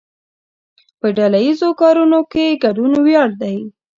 په ډله ایزو کارونو کې ګډون ویاړ دی.